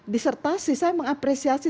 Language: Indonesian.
disertasi saya mengapresiasi